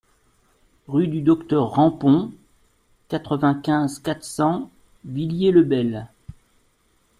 Rue du Docteur Rampont, quatre-vingt-quinze, quatre cents Villiers-le-Bel